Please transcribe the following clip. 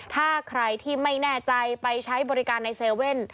ถ้าใครที่ไม่แน่ใจไปใช้บริการใน๗๑๑